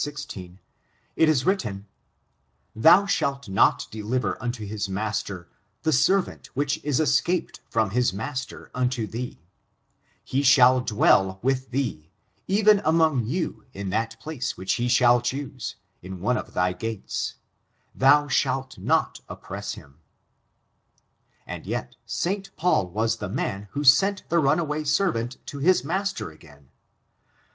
xxiii, 15, 16, it is written: "Thou shalt not deliver unto his master the servant whicli is escaped from his master unto thee : he shall dwell with thee, even among you in that place which he shall choose, in one of thy gates : thou shalt not oppress him ;" and yet St. Paul was the man who sent the runaway servant to his master again.